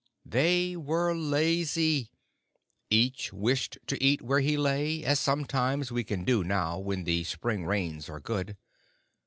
They were lazy. Each wished to eat where he lay down, as sometimes we can do now when the spring rains are good.